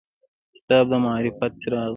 کتاب د معرفت څراغ دی.